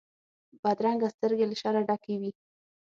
بدرنګه سترګې له شره ډکې وي